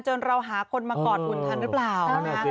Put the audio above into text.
จนเราหาคนมากอดอุณหภัณฑ์หรือเปล่า